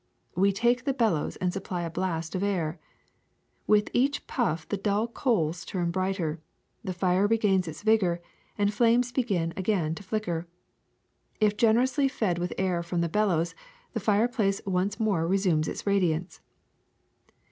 We take the bellows and supply a blast of air. With each putf the dull coals turn brighter, the fire regains its vigor, and flames begin again to flicker. If gen erously fed with air from the bellows, the fireplace once more resumes its radiance.